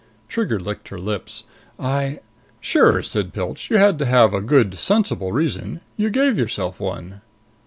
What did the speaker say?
Trigger licked her lips. "I " "Sure," said Pilch. "You had to have a good sensible reason. You gave yourself one."